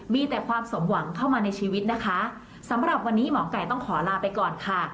มีแต่ความสมหวังเข้ามาในชีวิตนะคะสำหรับวันนี้หมอไก่ต้องขอลาไปก่อนค่ะ